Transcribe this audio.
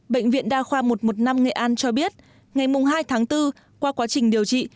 bệnh viện đa khoa một trăm một mươi năm nghệ an cho biết ngày hai tháng bốn qua quá trình điều trị